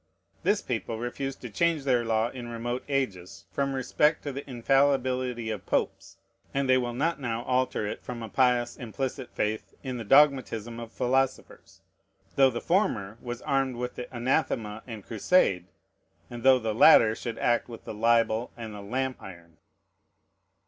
This people refused to change their law in remote ages from respect to the infallibility of Popes, and they will not now alter it from a pious implicit faith in the dogmatism of philosophers, though the former was armed with the anathema and crusade, and though the latter should act with the libel and the lamp iron.